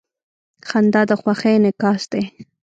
• خندا د خوښۍ انعکاس دی.